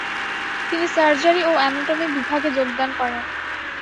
তিনি সার্জারি ও অ্যানাটমি বিভাগে যোগদান করেন ।